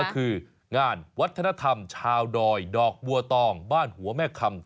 ก็คืองานวัฒนธรรมชาวดอยดอกบัวตองบ้านหัวแม่คำ